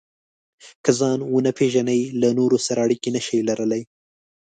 که ځان ونه پېژنئ، له نورو سره اړیکې نشئ لرلای.